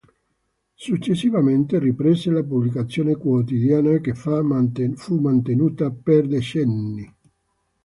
Successivamente riprese la pubblicazione quotidiana, che fu mantenuta per decenni.